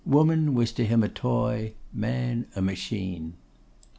Woman was to him a toy, man a machine.